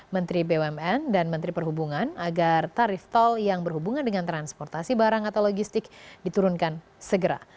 menteri bumn dan menteri perhubungan agar tarif tol yang berhubungan dengan transportasi barang atau logistik diturunkan segera